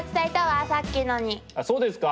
あっそうですか？